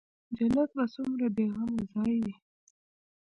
جنت به څومره بې غمه ځاى وي.